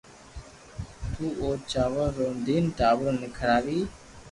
تو او چاور رودين ٽاٻرو ني کراوي